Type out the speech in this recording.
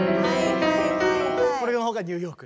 これのほうがニューヨーク。